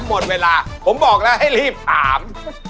หมดเวลาผมบอกแล้วให้รีบถาม